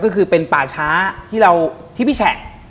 ก็คือเป็นป่าช้าที่พี่แฉะ